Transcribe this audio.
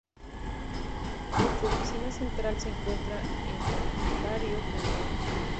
Su oficina central se encuentra en Ontario, Canada.